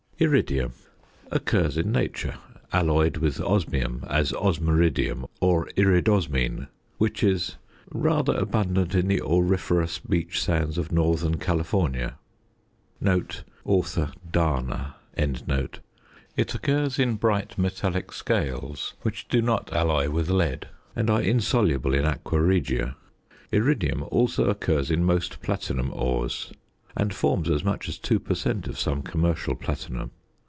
IRIDIUM Occurs in nature alloyed with osmium as osmiridium or iridosmine, which is "rather abundant in the auriferous beach sands of Northern California" (Dana). It occurs in bright metallic scales, which do not alloy with lead, and are insoluble in aqua regia. Iridium also occurs in most platinum ores, and forms as much as two per cent. of some commercial platinum.